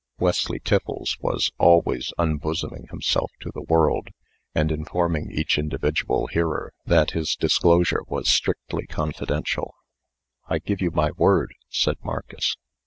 Wesley Tiffles was always unbosoming himself to the world, and informing each individual hearer that his disclosure was strictly confidential. "I give you my word," said Marcus.